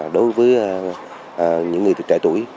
đối với những người từ trẻ tuổi